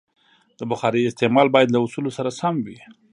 د بخارۍ استعمال باید له اصولو سره سم وي.